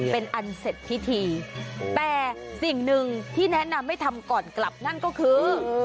เป็นอันเสร็จพิธีแต่สิ่งหนึ่งที่แนะนำให้ทำก่อนกลับนั่นก็คือ